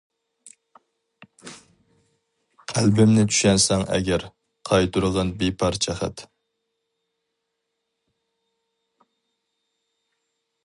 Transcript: قەلبىمنى چۈشەنسەڭ ئەگەر، قايتۇرغىن بىر پارچە خەت.